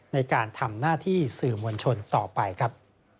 ในการทำหน้าที่สื่อมวลชนต่อไปครับ